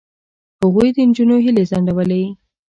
هغوی د نجونو هیلې ځنډولې.